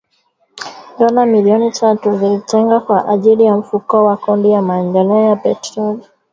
Dola milioni tatu zilitengwa kwa ajili ya Mfuko wa Kodi ya Maendeleo ya Petroli ili kuimarisha bei na kumaliza mgogoro huo